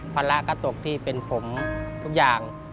ภาระกระจกที่เป็นผมทุกอย่าง